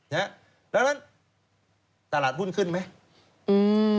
แล้วนั้นตลาดหุ้นขึ้นไหม